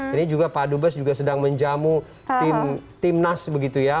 ini juga pak dubes juga sedang menjamu timnas begitu ya